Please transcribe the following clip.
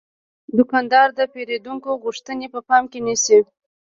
دوکاندار د پیرودونکو غوښتنې په پام کې نیسي.